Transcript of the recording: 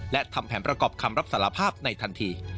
และทำแผนประกอบคำรับสารภาพในทันที